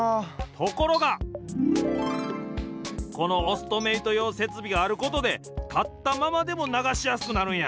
ところがこのオストメイトようせつびがあることでたったままでもながしやすくなるんや。